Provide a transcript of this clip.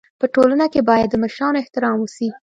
په ټولنه کي بايد د مشرانو احترام وسي.